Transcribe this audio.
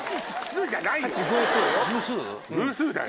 偶数だよ！